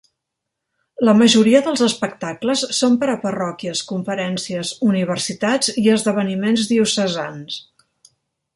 La majoria dels espectacles són per a parròquies, conferències, universitats i esdeveniments diocesans.